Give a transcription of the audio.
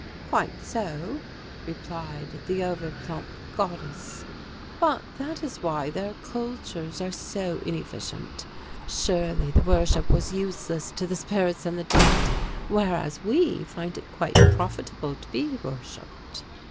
"Quite so," replied the over plump goddess, "but that is why their kulturs are so inefficient. Surely the worship was useless to the spirits and the dead, whereas we find it quite profitable to be worshipped.